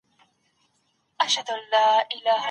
د مصاهرت حرمت څه معنا لري؟